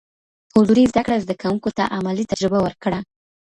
حضوري زده کړه زده کوونکو ته عملي تجربه ورکړه.